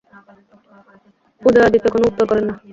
উদয়াদিত্য কোনো উত্তর করেন না।